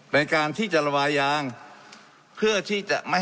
ให้การยางประเทศไทยไปดูช่วงเวลาที่เหมาะสม